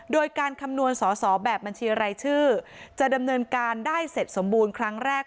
โดยการคำนวณสอสอแบบบัญชีรายชื่อจะดำเนินการได้เสร็จสมบูรณ์ครั้งแรก